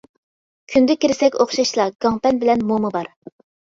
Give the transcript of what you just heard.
كۈندە كىرسەك ئوخشاشلا، گاڭپەن بىلەن موما بار.